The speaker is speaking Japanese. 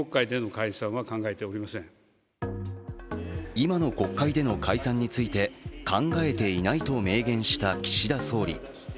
今の国会での解散について、考えていないと明言した岸田総理。